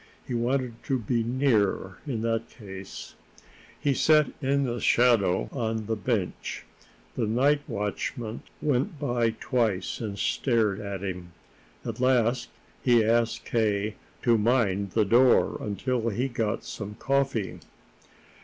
He wanted to be near, in that case. He sat in the shadow, on the bench. The night watchman went by twice and stared at him. At last he asked K. to mind the door until he got some coffee.